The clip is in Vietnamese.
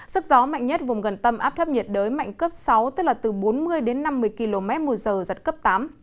sức gió mạnh nhất vùng gần tâm áp thấp nhiệt đới mạnh cấp sáu tức là từ bốn mươi đến năm mươi km một giờ giật cấp tám